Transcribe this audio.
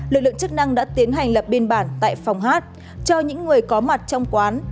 lực lượng chức năng đã tiến hành lập biên bản tại phòng hát cho những người có mặt trong quán